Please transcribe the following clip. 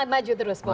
maju terus pokoknya